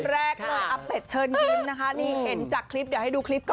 คนแรกเหลือก้าแปดเชิญกินนะคะนี่เห็นจากคลิปเดี๋ยวให้ดูกลิ๊บก่อน